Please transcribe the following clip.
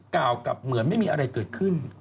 กล่าวกับเหมือนไม่มีอะไรเกิดขึ้น